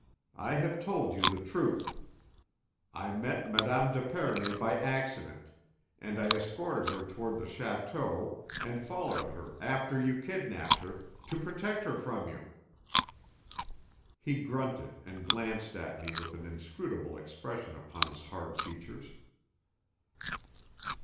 I have told you the truth. I met Mme. d'Epernay by accident, and I escorted her toward the château, and followed her after you kidnapped her, to protect her from you." He grunted and glanced at me with an inscrutable expression upon his hard features.